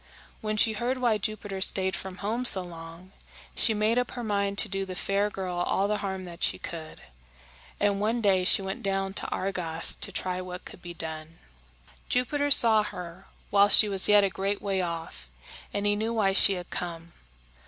When she heard why Jupiter stayed from home so long, she made up her mind to do the fair girl all the harm that she could; and one day she went down to Argos to try what could be done. Jupiter saw her while she was yet a great way off, and he knew why she had come.